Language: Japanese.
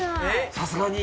さすがに？